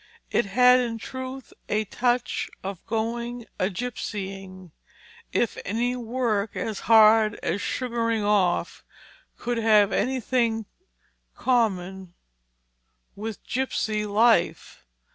It had in truth a touch of going a gypsying, if any work as hard as sugaring off could have anything common with gypsy life.